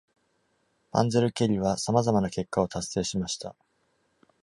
「panzerkeil」はさまざまな結果を達成した。